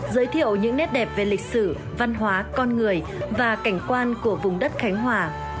giới thiệu những nét đẹp về lịch sử văn hóa con người và cảnh quan của vùng đất khánh hòa